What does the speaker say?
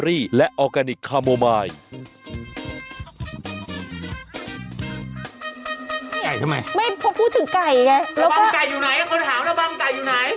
ระบำไก่อยู่ไหนคนถามระบำไก่อยู่ไหน